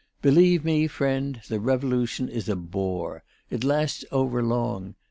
Believe me, friend, the Revolution is a bore; it lasts over long.